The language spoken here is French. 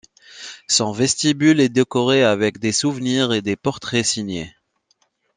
Son vestibule est décoré avec des souvenirs et des portraits signés.